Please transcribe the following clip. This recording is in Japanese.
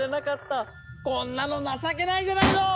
こんなの情けないじゃないの！